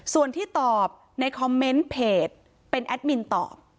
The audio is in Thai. ส่วนที่ตอบในคอมเมนต์เพจเป็นแอดมินตอบ